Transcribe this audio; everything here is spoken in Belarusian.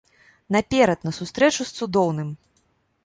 Наперад на сустрэчу з цудоўным!